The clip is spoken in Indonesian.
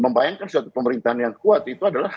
membayangkan suatu pemerintahan yang kuat itu adalah